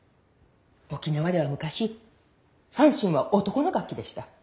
沖縄では昔三線は男の楽器でした。